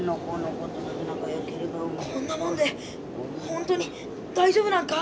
こんなもんでほんとに大丈夫なんか？